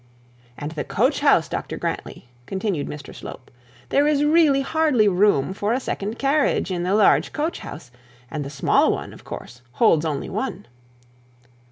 'And the coach house, Dr Grantly,' continued Mr Slope; 'there is really hardly any room for a second carriage in the large coach house, and the smaller one, of course, holds only one.'